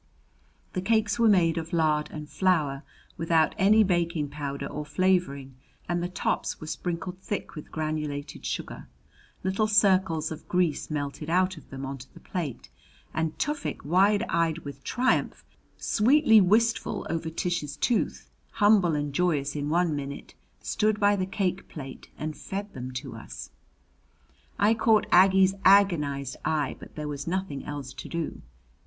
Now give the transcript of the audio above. The cakes were made of lard and flour, without any baking powder or flavoring, and the tops were sprinkled thick with granulated sugar. Little circles of grease melted out of them on to the plate, and Tufik, wide eyed with triumph, sweetly wistful over Tish's tooth, humble and joyous in one minute, stood by the cake plate and fed them to us! I caught Aggie's agonized eye, but there was nothing else to do.